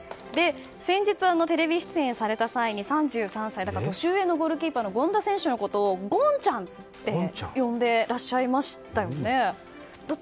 先日、テレビ出演された際に３３歳の年上のゴールキーパーの権田選手のことをゴンちゃんと呼んでいらっしゃいましたよね。